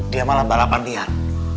dia malah balapan liar